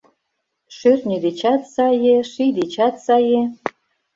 Шӧртньӧ дечат сае, ший дечат сае